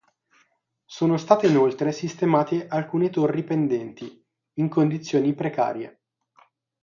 Sono state inoltre sistemate alcune torri pendenti, in condizioni precarie.